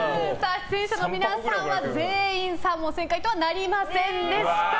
出演者の皆さんは全員３問正解とはなりませんでした。